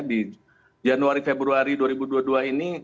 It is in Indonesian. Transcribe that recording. di januari februari dua ribu dua puluh dua ini